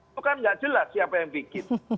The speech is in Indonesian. itu kan nggak jelas siapa yang bikin